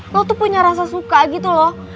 lo tuh punya rasa suka gitu loh